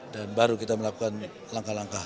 dan baru kita melakukan langkah langkah